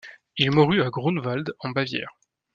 Il mourut à Grünwald en Bavière.